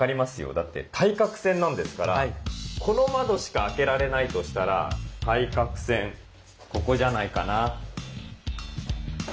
だって対角線なんですからこの窓しか開けられないとしたら対角線ここじゃないかな。